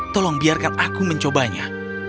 tolong biarkan aku mencobanya